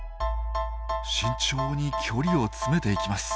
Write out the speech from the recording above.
慎重に距離を詰めていきます。